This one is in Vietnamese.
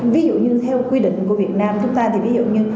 ví dụ như theo quy định của việt nam chúng ta thì ví dụ như